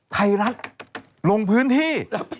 ใครรักลงพื้นที่